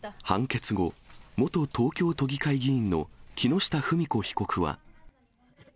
判決後、元東京都議会議員の木下富美子被告は。